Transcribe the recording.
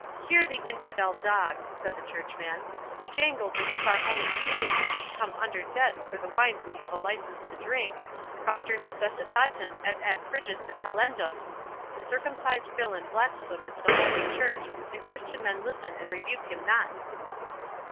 "Hear the infidel dog!" said the churchman; "he jangles as if our holy community did come under debts for the wines we have a license to drink, 'propter necessitatem, et ad frigus depellendum'. The circumcised villain blasphemeth the holy church, and Christian men listen and rebuke him not!"